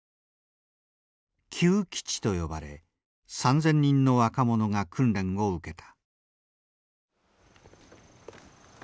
Ｑ基地と呼ばれ３，０００人の若者が訓練を受けた。